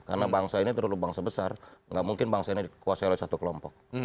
karena bangsa ini terlalu bangsa besar tidak mungkin bangsa ini dikuasai oleh satu kelompok